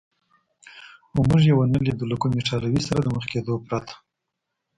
خو موږ یې و نه لیدو، له کوم ایټالوي سره د مخ کېدو پرته.